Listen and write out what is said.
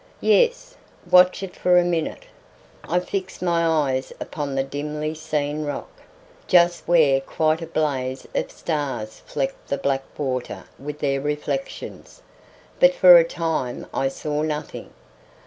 "Yes." "Watch it for a minute." I fixed my eyes upon the dimly seen rock, just where quite a blaze of stars flecked the black water with their reflections, but for a time I saw nothing.